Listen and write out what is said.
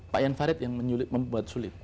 pak ian farid yang membuat sulit